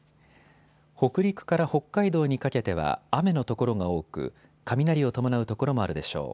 北陸から北海道にかけては雨の所が多く雷を伴う所もあるでしょう。